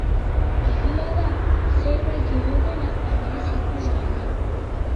Egia da zerbait igo dela, baina ez ikusgarri.